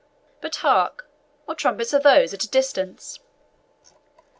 But hark, what trumpets are those at a distance?"